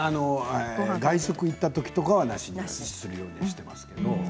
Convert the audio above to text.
外食に行ったときはなしにするようにしています。